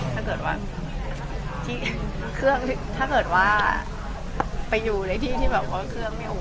ถ้าเกิดว่าที่เครื่องถ้าเกิดว่าไปอยู่ในที่ที่แบบว่าเครื่องไม่ออก